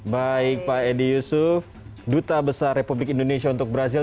baik pak edi yusuf duta besar republik indonesia untuk brazil